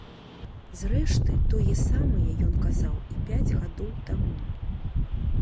Зрэшты, тое самае ён казаў і пяць гадоў таму.